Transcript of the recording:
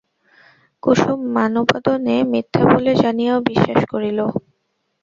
কুসুম মানবদনে মিথ্যা বলে জানিয়াও বিশ্বাস করিল।